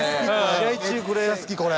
試合中これが好きこれ。